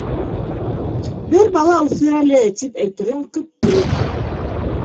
Бер бала үҫер әле, - тип әйтерен көттө.